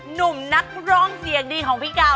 หนุ่มนักร้องเสียงดีของพี่กาว